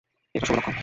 এটা শুভ লক্ষণ।